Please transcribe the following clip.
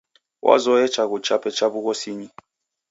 Wazoye chaghu chape cha w'ughosinyi.